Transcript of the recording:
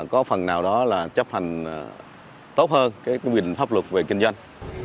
có phần nào đó là chấp hành tốt hơn cái quy định pháp luật về kinh doanh